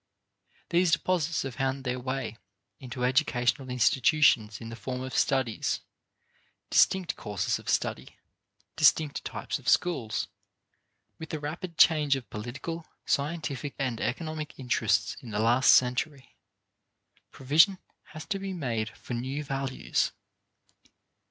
These deposits have found their way into educational institutions in the form of studies, distinct courses of study, distinct types of schools. With the rapid change of political, scientific, and economic interests in the last century, provision had to be made for new values.